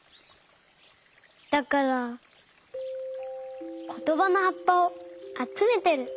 だからことばのはっぱをあつめてる。